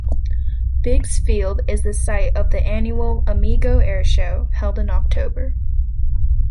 Biggs Field is the site of the annual "Amigo Airshow", held in October.